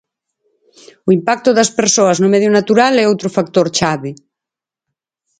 O impacto das persoas no medio natural é outro factor chave.